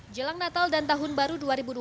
jelang natal dan tahun baru dua ribu dua puluh